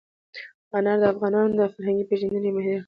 انار د افغانانو د فرهنګي پیژندنې یوه ډېره مهمه برخه ده.